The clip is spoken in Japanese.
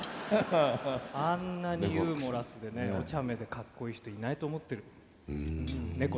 あんなにユーモラスでねおちゃめでかっこいい人いないと思ってる。